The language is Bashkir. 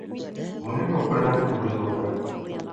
Күңеле һуҡырҙың күҙе һуҡыр.